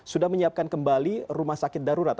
sudah menyiapkan kembali rumah sakit darurat